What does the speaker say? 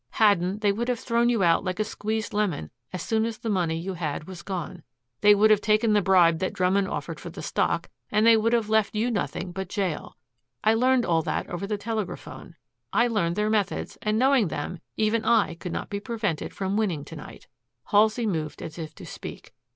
Haddon, they would have thrown you out like a squeezed lemon as soon as the money you had was gone. They would have taken the bribe that Drummond offered for the stock and they would have left you nothing but jail. I learned all that over the telegraphone. I learned their methods and, knowing them, even I could not be prevented from winning to night." Halsey moved as if to speak.